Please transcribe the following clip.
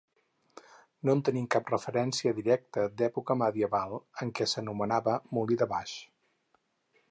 No en tenim cap referència directa d'època medieval, en què s'anomenava molí de Baix.